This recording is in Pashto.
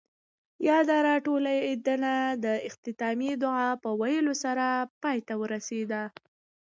ياده راټولېدنه د اختتامیه دعاء پۀ ويلو سره پای ته ورسېده.